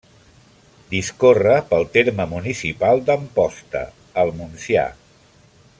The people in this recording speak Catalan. Discorre pel terme municipal d'Amposta, al Montsià.